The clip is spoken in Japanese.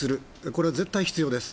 これは絶対に必要です。